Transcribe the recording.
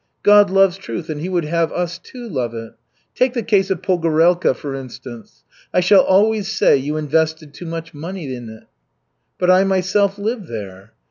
God loves truth and He would have us, too, love it. Take the case of Pogorelka, for instance. I shall always say you invested too much money in it." "But I myself lived there."